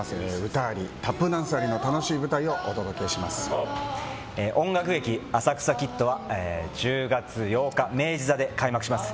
歌ありタップダンスありの楽しい舞台を音楽劇「浅草キッド」は１０月８日、明治座で開幕します。